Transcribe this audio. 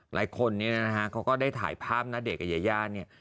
หลายคนเนี่ยนะฮะเขาก็ได้ถ่ายภาพณเดชน์กับยายาเนี่ย